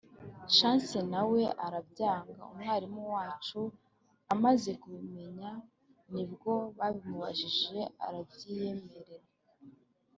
Chance nawe arabyanga, umwarimu wacu amaze kubimenya ni bwo babimubajije arabyiyemerera.